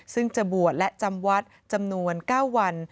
ซึ่งจะบวชและจำวัดจำนวน๙วัน